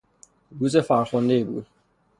روز فرخندهای بود.